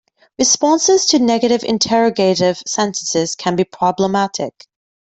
Responses to negative interrogative sentences can be problematic.